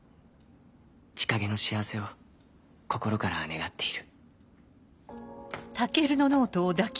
千景の幸せを心から願っている」